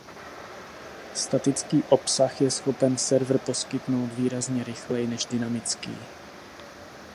Statický obsah je schopen server poskytnout výrazně rychleji než dynamický.